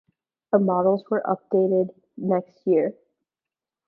The models were updated next year.